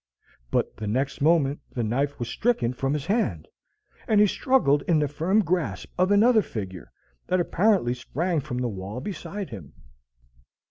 But the next moment the knife was stricken from his hand, and he struggled in the firm grasp of another figure that apparently sprang from the wall beside him.